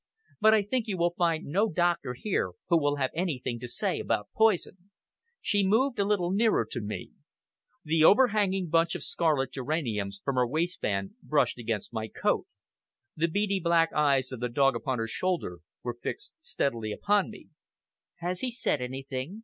But I think you will find no doctor here who will have anything to say about poison." She moved a little nearer to me. The overhanging bunch of scarlet geraniums from her waistband brushed against my coat; the beady black eyes of the dog upon her shoulder were fixed steadily upon me. "Has he said anything?"